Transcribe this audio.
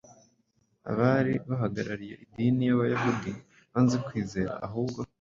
abari bahagarariye idini y’Abayahudi banze kwizera ahubwo